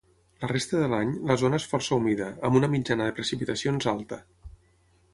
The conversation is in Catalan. La resta de l’any, la zona és força humida, amb una mitjana de precipitacions alta.